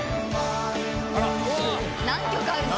何曲あるの？